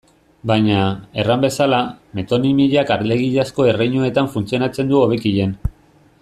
Baina, erran bezala, metonimiak alegiazko erreinuetan funtzionatzen du hobekien.